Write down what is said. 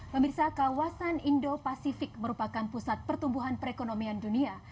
pemirsa kawasan indo pasifik merupakan pusat pertumbuhan perekonomian dunia